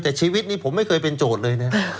แต่ชีวิตนี้ผมไม่เคยเป็นโจทย์เลยนะ